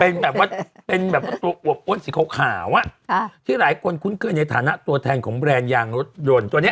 เป็นแบบว่าเป็นแบบตัวอวบอ้นสีขาวที่หลายคนคุ้นเคยในฐานะตัวแทนของแบรนด์ยางรถยนต์ตัวนี้